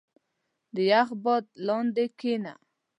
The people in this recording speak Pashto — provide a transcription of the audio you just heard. • د یخ باد لاندې کښېنه.